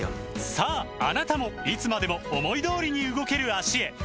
さああなたもいつまでも思い通りに動ける脚へサントリー「ロコモア」